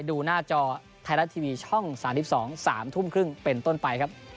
ดูหน้าจอไทยรัฐทีวีช่อง๓๒๓ทุ่มครึ่งเป็นต้นไปครับ